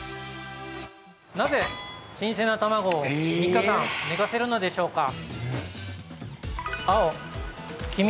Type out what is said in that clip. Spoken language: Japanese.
なぜ、新鮮な卵を３日間寝かせるのでしょうか？